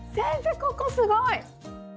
ここすごい。